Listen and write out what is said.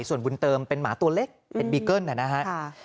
ส่วนบุญเติมเป็นหมาตัวเล็กเป็นบีเกิ้ลนะครับ